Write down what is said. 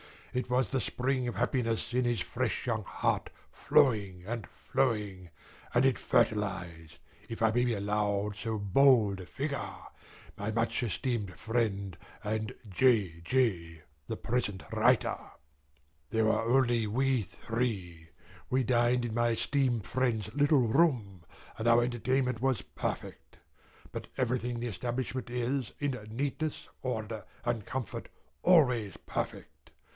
It was the spring of happiness in his fresh young heart flowing and flowing, and it fertilised (if I may be allowed so bold a figure) my much esteemed friend, and J. J. the present writer. There were only we three. We dined in my esteemed friend's little room, and our entertainment was perfect. But everything in the establishment is, in neatness, order, and comfort, always perfect.